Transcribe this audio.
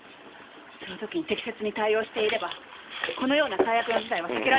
その時に適切に対応していればこのような最悪の事態は避けられたはずです。